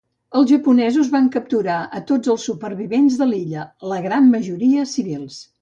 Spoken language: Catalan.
Els japonesos van capturar a tots els supervivents de l'illa, la gran majoria civils.